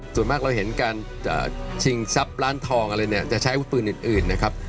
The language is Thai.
ส่วนมากเราเห็นการชิงทรัพย์ร้านทองจะใช้วุฒิปืนอื่นนะครับ